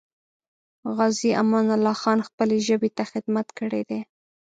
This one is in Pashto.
غازي امان الله خان خپلې ژبې ته خدمت کړی دی.